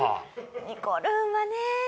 にこるんはね